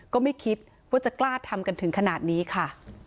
ก็ไม่คิดว่าจะกล้าทำกันถึงขนาดนี้ค่ะ